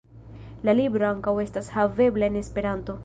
La libro ankaŭ estas havebla en Esperanto.